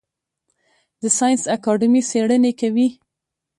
د ساینس اکاډمي څیړنې کوي